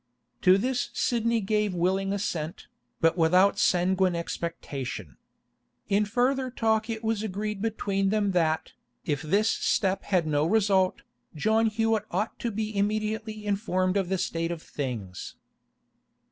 To this Sidney gave willing assent, but without sanguine expectation. In further talk it was agreed between them that, if this step had no result, John Hewett ought to be immediately informed of the state of things.